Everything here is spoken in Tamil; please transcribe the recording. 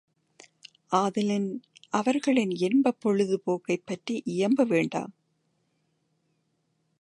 ஆதலின், அவர்களின் இன்பப் பொழுது போக்கைப் பற்றி இயம்ப வேண்டா.